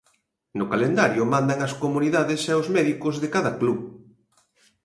No calendario mandan as comunidades e os médicos de cada club.